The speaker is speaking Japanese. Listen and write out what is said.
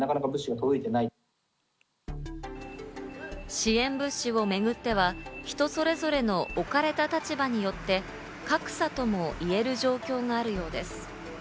支援物資をめぐっては、人それぞれの置かれた立場によって格差ともいえる状況があるようです。